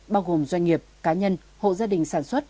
bao gồm doanh nghiệp cá nhân hộ gia đình sản xuất